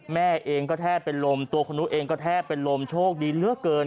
แม่เองก็แทบเป็นลมตัวคนนู้นเองก็แทบเป็นลมโชคดีเหลือเกิน